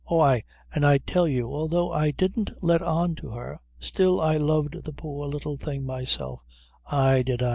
Oh, ay, an' I'll tell you, although I didn't let on to her, still I loved the poor little thing myself ay, did I.